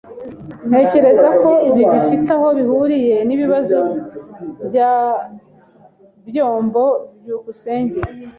Ntekereza ko ibi bifite aho bihuriye nibibazo bya byambo. byukusenge